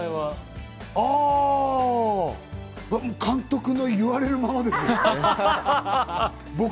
あぁ、もう監督の言われるままです。